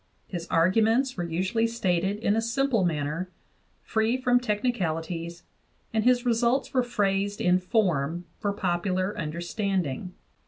His arguments were usually stated in a simple manner, free from technicalities, and his results were phrased in form for popular understanding.